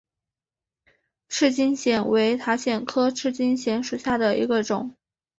赤茎藓为塔藓科赤茎藓属下的一个种。